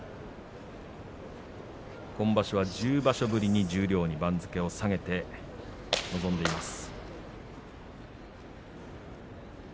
今場所は１０場所ぶりに十両に番付を下げて臨んでいます。